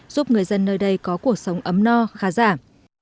giúp người dân nơi đây có cuộc sống ấm no khá giảm